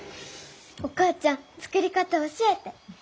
お母ちゃん作り方教えて。